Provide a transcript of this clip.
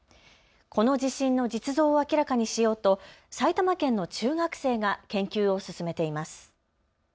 この地震の実像を明らかにしようと埼玉県の中学生が研究を進めています。